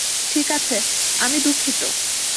ঠিকাছে, আমি দুঃখিত!